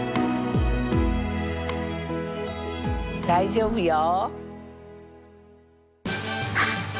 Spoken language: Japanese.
大丈夫よ。